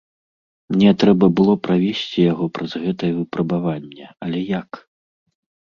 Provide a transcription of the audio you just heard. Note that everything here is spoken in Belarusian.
Мне трэба было правесці яго праз гэтае выпрабаванне, але як?